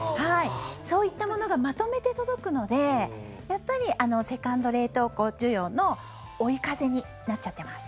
そういったものがまとめて届くのでやっぱりセカンド冷凍庫需要の追い風になっちゃってます。